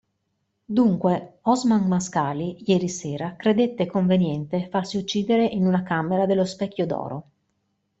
Dunque, Osman Mascali ieri sera credette conveniente farsi uccidere in una camera dello Specchio d'Oro.